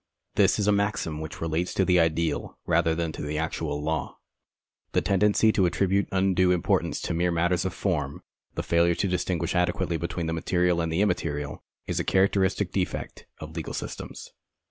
This is a maxim which relates to the ideal, rather than to the actual law. The tendency to attribute undue importance to mere matters of form — the failure to distinguish adequately between the material and the immaterial — is a characteristic defect of legal systems.